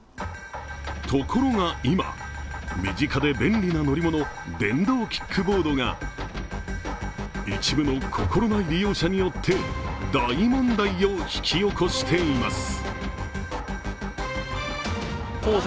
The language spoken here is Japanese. ところが今、身近で便利な乗り物電動キックボードが一部の心ない利用者によって大問題を引き起こしています。